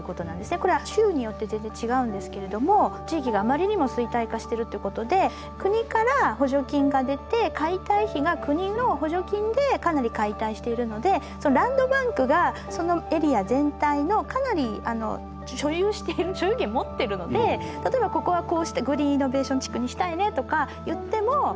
これは州によって全然違うんですけれども地域があまりにも衰退化してるってことで国から補助金が出て解体費が国の補助金でかなり解体しているのでランドバンクがそのエリア全体のかなり所有している所有権持ってるので例えばここはこうしてグリーンイノベーション地区にしたいねとか言ってもできるんですよね。